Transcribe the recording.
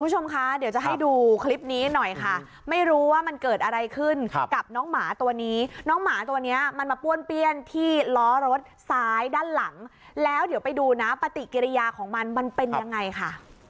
คุณผู้ชมคะเดี๋ยวจะให้ดูคลิปนี้หน่อยค่ะไม่รู้ว่ามันเกิดอะไรขึ้นกับน้องหมาตัวนี้น้องหมาตัวเนี้ยมันมาป้วนเปี้ยนที่ล้อรถซ้ายด้านหลังแล้วเดี๋ยวไปดูนะปฏิกิริยาของมันมันเป็นยังไงค่ะ